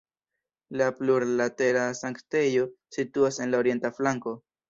La plurlatera sanktejo situas en la orienta flanko.